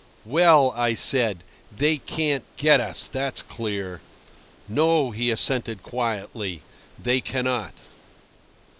"Well," I said, "they can't get us, that's clear." "No," he assented quietly, "they cannot."